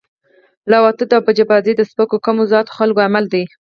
لواطت او بچه بازی د سپکو کم ذات خلکو عمل ده